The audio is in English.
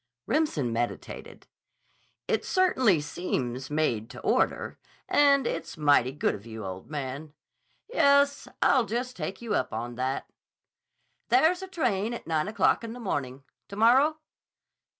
Remsen meditated. "It certainly seems made to order. And it's mighty good of you, old man. Yes, I'll just take you up on that." "There's a train at nine o'clock in the morning. To morrow?"